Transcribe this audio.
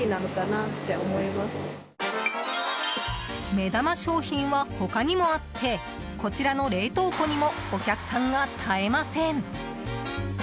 目玉商品は他にもあってこちらの冷凍庫にもお客さんが絶えません。